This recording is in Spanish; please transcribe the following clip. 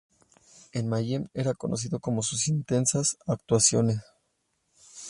En Mayhem era conocido por sus intensas actuaciones.